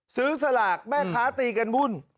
สลากแม่ค้าตีกันวุ่น